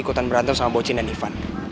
ikutan berantem sama bocin dan ivan